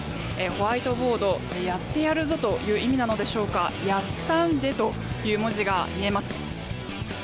ホワイトボードにやってやるぞという意味なのでしょうか「ＹＡＴＡＮＤＥ！！」という文字が見えます。